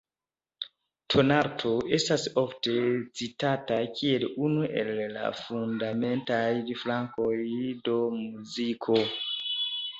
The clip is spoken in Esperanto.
Tonalto estas ofte citata kiel unu el la fundamentaj flankoj de muziko.